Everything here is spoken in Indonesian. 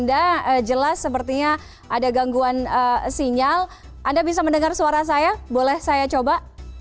anda jelas sepertinya ada gangguan sinyal anda bisa mendengar suara saya boleh saya coba